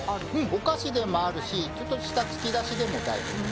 お菓子でもあるしちょっとした、つきだしでも大丈夫です。